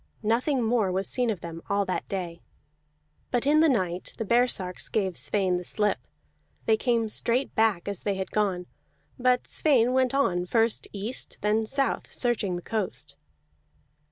Nothing more was seen of them all that day. But in the night the baresarks gave Sweyn the slip; they came straight back as they had gone, but Sweyn went on, first east, then south, searching the coast.